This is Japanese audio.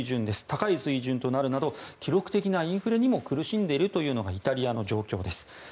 高い水準となるなど記録的なインフレにも苦しんでいるというのがイタリアの状況です。